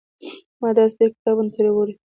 ما داسې ډېر کتابونه ترې وړي.